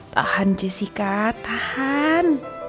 tahan jessica tahan